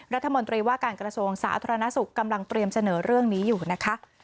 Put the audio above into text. รัฐมนตรีว่าการกระทรวงสาธารณสุขกำลังเตรียมเสนอเรื่องนี้อยู่นะคะ